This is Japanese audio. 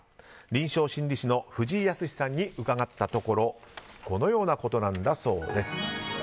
臨床心理士の藤井靖さんに伺ったところこのようなことなんだそうです。